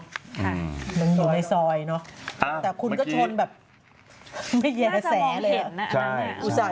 ค่ะมันอยู่ในซอยเนอะแต่คุณก็ชนแบบไม่เย็นแสเลยอ่ะ